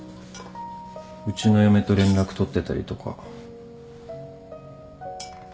うちの嫁と連絡取ってたりとか。